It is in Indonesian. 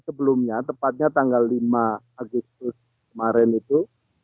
sebelumnya tepatnya tanggal lima agustus kemarin itu